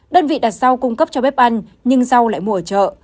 đơn vị đặt sau cung cấp cho bếp ăn nhưng rau lại mua ở chợ